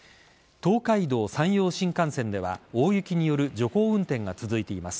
東海道・山陽新幹線では大雪による徐行運転が続いています。